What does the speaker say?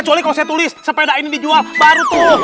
saya tulis sepeda ini dijual baru tuh